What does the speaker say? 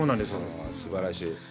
すばらしい。